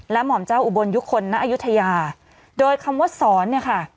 และหม่อมเจ้าอุบลยุคคลนะอยุธยาโดยคำว่าศรเนี่ยค่ะ